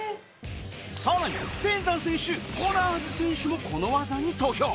更に天山選手コナーズ選手もこの技に投票